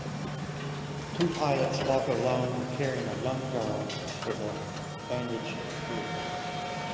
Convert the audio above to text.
Two pilots walk along carrying a young girl with a bandaged head.